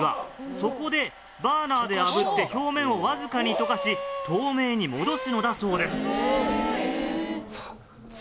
そこでバーナーであぶって表面をわずかに溶かし透明に戻すのだそうです。